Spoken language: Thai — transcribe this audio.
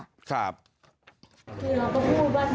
คือเราก็พูดว่าทำไมเหมือนทำแบบนี้